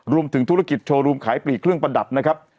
รวมถึงธุรกิจโชว์รูมขายปลีกเครื่องประดับนะครับ